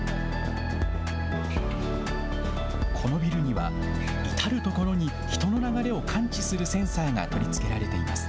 このビルには、至る所に人の流れを感知するセンサーが取り付けられています。